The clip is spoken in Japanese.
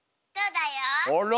あら。